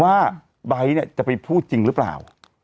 ว่าไบร์ทเนี้ยจะไปพูดจริงรึเปล่า